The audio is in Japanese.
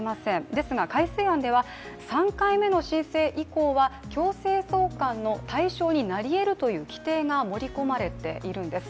ですが改正案では３回目の申請以降は強制送還の対象になりえるという規程が盛り込まれているんです。